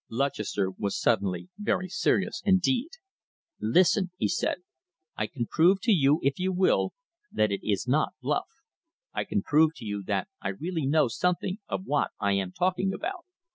Lutchester was suddenly very serious indeed. "Listen," he said, "I can prove to you, if you will, that it is not bluff. I can prove to you that I really know something of what I am talking about."